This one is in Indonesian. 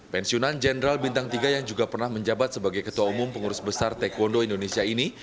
pensiunan jenderal bintang tiga yang juga pernah menjabat sebagai ketua umum pengurus besar taekwondo indonesia ini